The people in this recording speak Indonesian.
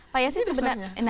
pak yasin sebenarnya